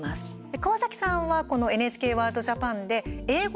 川崎さんはこのＮＨＫワールドＪＡＰＡＮで英語